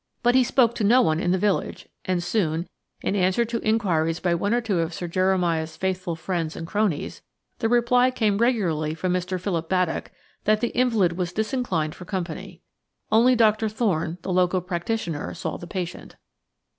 But he spoke to no one in the village, and soon, in answer to inquiries by one or two of Sir Jeremiah's faithful friends and cronies, the reply came regularly from Mr. Philip Baddock that the invalid was disinclined for company. Only Doctor Thorne, the local practitioner, saw the patient.